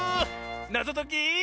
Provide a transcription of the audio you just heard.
なぞとき。